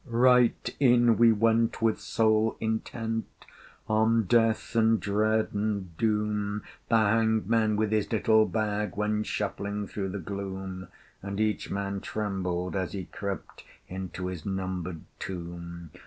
Right in we went, with soul intent On Death and Dread and Doom: The hangman, with his little bag, Went shuffling through the gloom And each man trembled as he crept Into his numbered tomb.